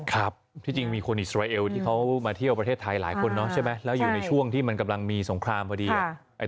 ครับที่จริงมีคนอิสราเอลที่เขามาเที่ยวประเทศไทยหลายคนเนาะใช่ไหมแล้วอยู่ในช่วงที่มันกำลังมีสงครามพอดี